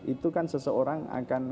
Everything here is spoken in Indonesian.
itu kan seseorang akan